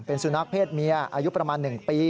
เป็นสุนัขเพศเมียอายุประมาณ๑ปี